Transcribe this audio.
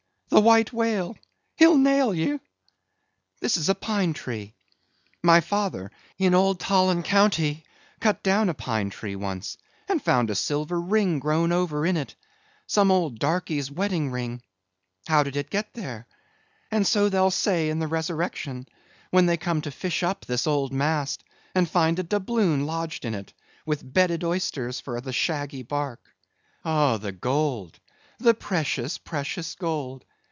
the White Whale; he'll nail ye! This is a pine tree. My father, in old Tolland county, cut down a pine tree once, and found a silver ring grown over in it; some old darkey's wedding ring. How did it get there? And so they'll say in the resurrection, when they come to fish up this old mast, and find a doubloon lodged in it, with bedded oysters for the shaggy bark. Oh, the gold! the precious, precious, gold!